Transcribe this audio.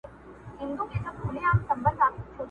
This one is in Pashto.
ستا له نوره مو خالقه دا د شپو وطن روښان کې!.